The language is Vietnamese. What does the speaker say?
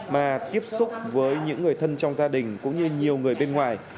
mà tiếp xúc với những người thân trong gia đình cũng như nhiều người bên ngoài